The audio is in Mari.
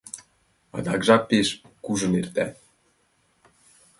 Адак жап пеш кужун эрта.